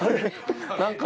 何か。